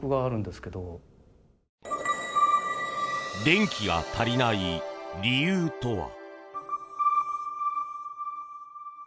電気が足りない理由とは？